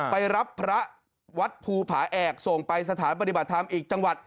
ไปรับพระวัดภูผาแอกส่งไปสถานปฏิบัติธรรมอีกจังหวัด